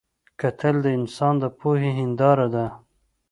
کتل د انسان د پوهې هنداره ده